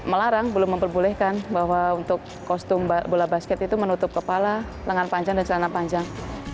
melarang belum memperbolehkan bahwa untuk kostum bola basket itu menutup kepala lengan panjang dan celana panjang